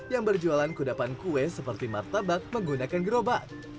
yang berjualan kudapan kue seperti martabak menggunakan gerobak